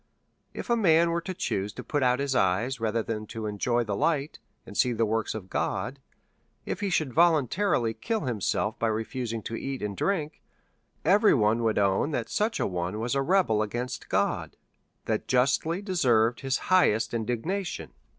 If a man was to choose to put out his eyes, rather than enjoy the light, and see the works of God ; if he should voluntarily kill himself, by refusing to eat and drink, every one Avould own that such a one was a re bel against God, who justly deserved his highest indig nation.